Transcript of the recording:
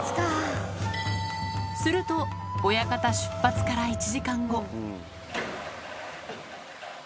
すると、親方出発から１時間後。